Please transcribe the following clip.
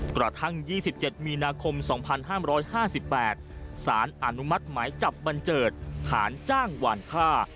กระทั่ง๒๗มีนาคม๒๕๕๘สารอนุมัติหมายจับบันเจิดฐานจ้างหวานฆ่า